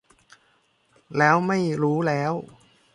แล้วไม่รู้แล้ว